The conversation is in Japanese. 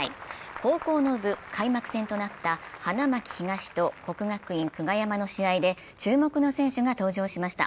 高校の部開幕戦となった花巻東と国学院久我山の試合で注目の選手が登場しました。